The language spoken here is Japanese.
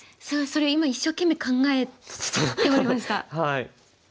そうそれ今一生懸命考えておりました。